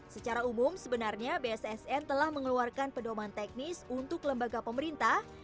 secara umum sebenarnya bssn telah mengeluarkan pedoman teknis untuk lembaga pemerintah